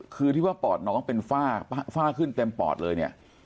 คือที่ว่าปอดน้องเป็นฝ้าขึ้นเต็มปอดเลยเนี่ย